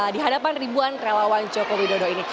di hadapan ribuan relawan jokowi dodo ini